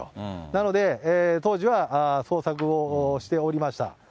なので、当時は捜索をしておりました。